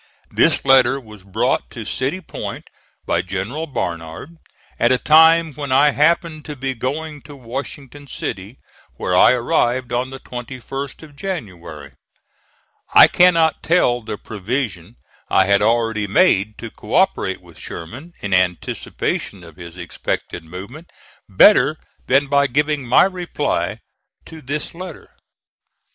This letter was brought to City Point by General Barnard at a time when I happened to be going to Washington City, where I arrived on the 21st of January. I cannot tell the provision I had already made to co operate with Sherman, in anticipation of his expected movement, better than by giving my reply to this letter.